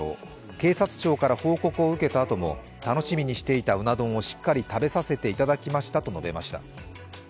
警察庁から報告を受けたあとも楽しみにしていたうな丼をしっかり食べさせていただきましたと述べました。